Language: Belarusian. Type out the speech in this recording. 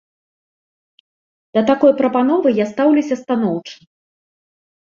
Да такой прапановы я стаўлюся станоўча.